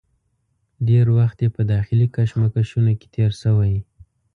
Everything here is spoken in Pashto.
ډېر وخت یې په داخلي کشمکشونو کې تېر شوی.